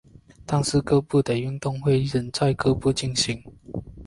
但是各部的运动会仍是在各部进行。